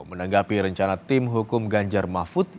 menanggapi rencana tim hukum ganjar mahfud